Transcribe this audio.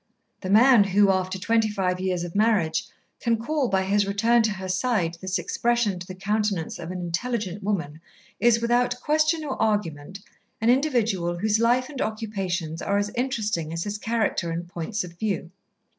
The man who, after twenty five years of marriage, can call, by his return to her side, this expression to the countenance of an intelligent woman is, without question or argument, an individual whose life and occupations are as interesting as his character and points of view.